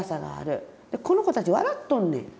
この子たち笑っとんねん。